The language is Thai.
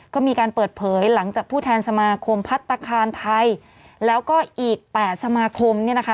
ก็มีการเปิดเผยหลังจากผู้แทนสมาคมพัฒนาคารไทยแล้วก็อีกแปดสมาคมเนี่ยนะคะ